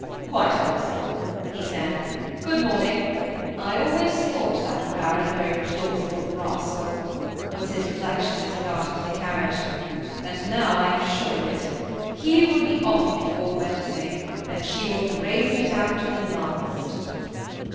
"Quite impossible," he said. "Good morning.'' "I always thought that Baron a very plausible rascal," was his reflection as he got into the carriage, "and now I am sure of it. He will be off before Wednesday, and she will brazen it out to the last."